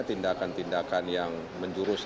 tindakan tindakan yang menjurus